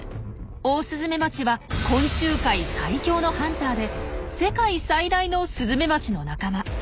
オオスズメバチは昆虫界最強のハンターで世界最大のスズメバチの仲間。